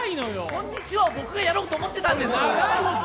「こんにちは」は僕がやろうと思ってたんです。